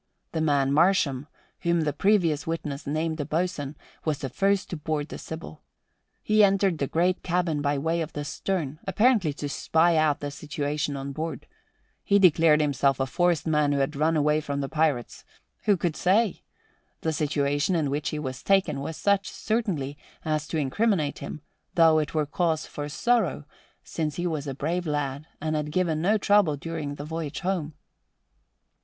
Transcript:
The man Marsham, whom the previous witness named a boatswain, was the first to board the Sybil. He entered the great cabin by way of the stem, apparently to spy out the situation on board. He declared himself a forced man who had run away from the pirates. Who could say? The situation in which he was taken was such, certainly, as to incriminate him; though 'twere cause for sorrow, since he was a brave lad and had given no trouble during the voyage home."